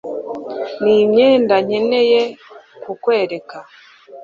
nimyenda nkeneye kukwereka